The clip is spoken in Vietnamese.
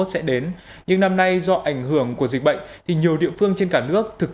hai nghìn hai mươi một sẽ đến nhưng năm nay do ảnh hưởng của dịch bệnh thì nhiều địa phương trên cả nước thực